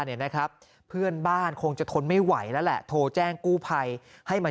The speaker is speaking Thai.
เนี่ยนะครับเพื่อนบ้านคงจะทนไม่ไหวแล้วแหละโทรแจ้งกู้ภัยให้มา